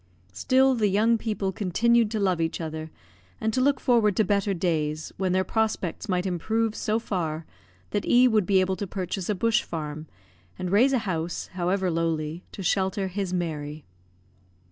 Still the young people continued to love each other, and to look forward to better days, when their prospects might improve so far that E would be able to purchase a bush farm, and raise a house, however lowly, to shelter his Mary.